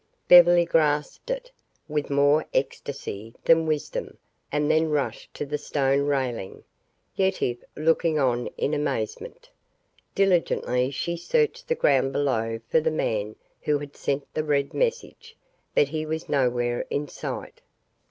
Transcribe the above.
Beverly grasped it with more ecstasy than wisdom and then rushed to the stone railing, Yetive looking on in amazement. Diligently she searched the ground below for the man who had sent the red message, but he was nowhere in sight.